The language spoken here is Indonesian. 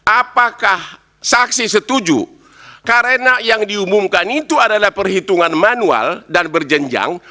apakah saksi setuju karena yang diumumkan itu adalah perhitungan manual dan berjenjang